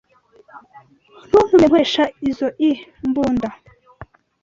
Ntuntume nkoresha izoi mbunda.